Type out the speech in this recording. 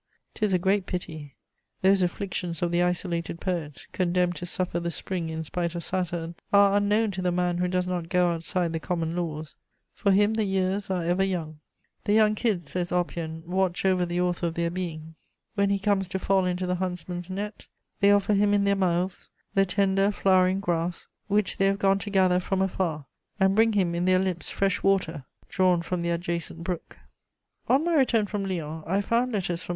'Tis a great pity. Those afflictions of the isolated poet, condemned to suffer the spring in spite of Saturn, are unknown to the man who does not go outside the common laws; for him the years are ever young: "The young kids," says Oppian, "watch over the author of their being; when he comes to fall into the huntsman's net, they offer him in their mouths the tender, flowering grass, which they have gone to gather from afar, and bring him in their lips fresh water, drawn from the adjacent brook." * On my return from Lyons I found letters from M.